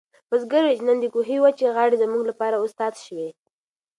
بزګر وویل چې نن د کوهي وچې غاړې زموږ لپاره استاد شوې.